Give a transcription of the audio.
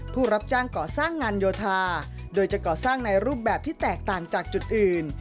ผู้รับจ้างก่อสร้างงานโยธาโดยจะก่อสร้างในรูปแบบที่แตกต่างจากจุดอื่น